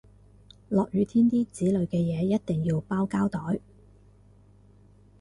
落雨天啲紙類嘅嘢一定要包膠袋